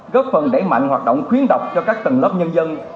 góp phần đẩy mạnh hoạt động khuyến độc cho các tầng lớp nhân dân